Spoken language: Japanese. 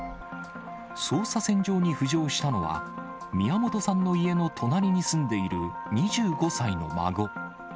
捜査線上に浮上したのは、宮本さんの家の隣に住んでいる２５歳の孫。